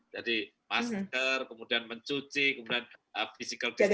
jadi masker kemudian mencuci kemudian physical distance